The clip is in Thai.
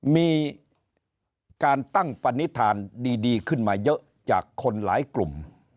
มีการตั้งปณิธานดีขึ้นมาเยอะจากคนหลายกลุ่ม